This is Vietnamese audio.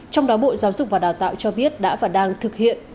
trong đó bộ giáo dục và đào tạo cho biết đã và đang thực hiện